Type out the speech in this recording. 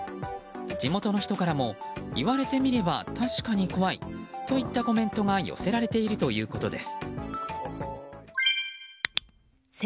地元の人からも、言われてみれば確かに怖いといったコメントが寄せられているということです。